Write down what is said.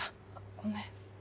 ごめん。